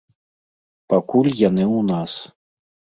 Пакуль яны ў нас.